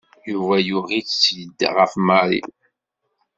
Yuba yuɣ-itt-id ɣer Mary.